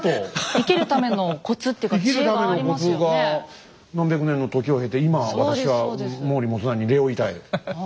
生きるためのコツが何百年の時を経て今私は毛利元就に礼を言いたい。